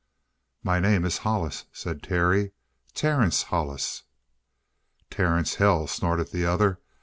"My name is Hollis," said Terry. "Terence Hollis." "Terence hell," snorted the other.